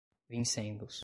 vincendos